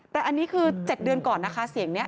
แต่อันนี้คือ๗เดือนก่อนนะคะเสียงนี้